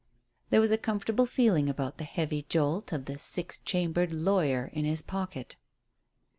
There was a comfortable feeling about the heavy jolt of the six chambered "lawyer" in his pocket.